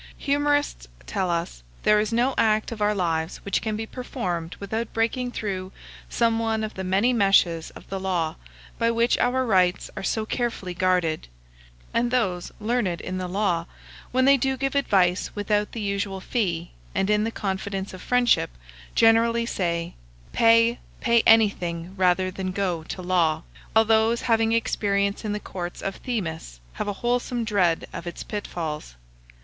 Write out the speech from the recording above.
Humorists tell us there is no act of our lives which can be performed without breaking through some one of the many meshes of the law by which our rights are so carefully guarded; and those learned in the law, when they do give advice without the usual fee, and in the confidence of friendship, generally say, "Pay, pay anything rather than go to law;" while those having experience in the courts of Themis have a wholesome dread of its pitfalls.